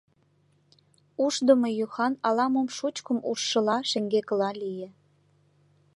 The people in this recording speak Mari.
Ушдымо-Юхан ала-мом шучкым ужшыла шеҥгекыла лие.